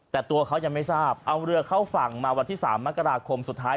แต่ตัวเขายังไม่ทราบเอาเรือเข้าฝั่งมาวันที่๓มกราคมสุดท้าย